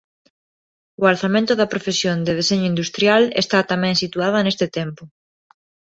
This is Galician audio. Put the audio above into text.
O alzamento da profesión de deseño industrial está tamén situada neste tempo.